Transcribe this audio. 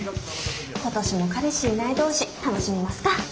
今年も彼氏いない同士楽しみますか。